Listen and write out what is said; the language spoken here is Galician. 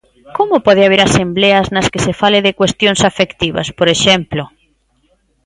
Como pode haber asembleas nas que se fale de cuestións afectivas, por exemplo?